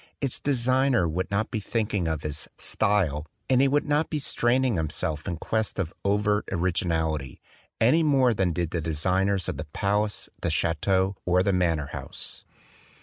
Its designer would not be thinking of his "style"; and he would not be straining himself in quest of overt origi nality, any more than did the designers of the palace, the chateau or the manor house.